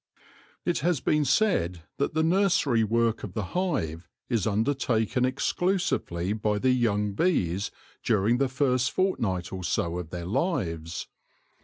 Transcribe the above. It has been said that the nursery work of the hive is undertaken exclusively by the young bees during the first fortnight or so of their lives.